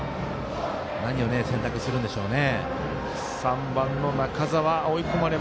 何を選択するんでしょうね。